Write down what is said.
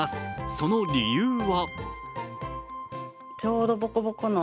その理由は？